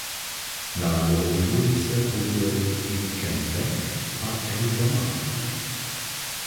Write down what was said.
Na jeho vývoji se podíleli i Kent Beck a Erich Gamma.